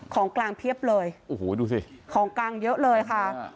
ของกลางเพียบเลยของกลางเยอะเลยค่ะ